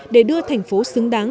để đưa thành phố xứng đáng